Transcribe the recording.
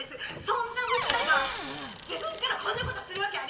そんな娘が自分からこんなことするわけありません！